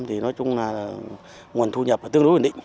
thì nói chung là nguồn thu nhập tương đối ổn định